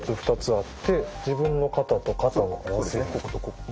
あっ！